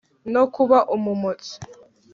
no kuba umumotsi